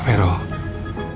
mero raya kenapa